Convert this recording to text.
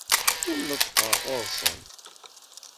Ur neṭṭqeɣ ɣer-sen.